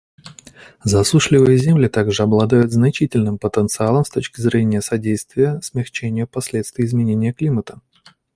Засушливые земли также обладают значительным потенциалом с точки зрения содействия смягчению последствий изменения климата.